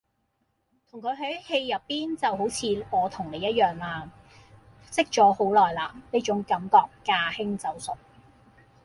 同佢喺戲入邊就好似我同你一樣啦識咗好耐啦，呢種感覺駕輕就熟